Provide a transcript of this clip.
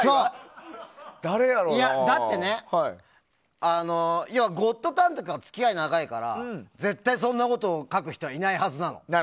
だって「ゴッドタン」の時から付き合いが長いから絶対にそんなことを書く人はいないはずなの。